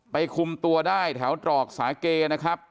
คุมตัวได้แถวตรอกสาเกนะครับ